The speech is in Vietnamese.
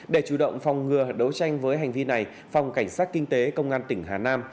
để chủ động phòng ngừa đấu tranh với hành vi này phòng cảnh sát kinh tế công an tỉnh hà nam